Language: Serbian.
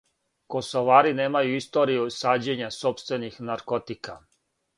Косовари немају историју сађења сопствених наркотика.